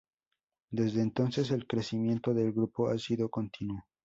Desde entonces, el crecimiento del grupo ha sido continuo.